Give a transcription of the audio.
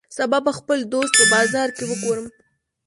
سبا به خپل دوست په بازار کی وګورم